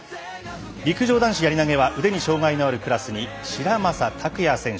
陸上男子やり投げは腕に障がいのあるクラスに白砂匠庸選手。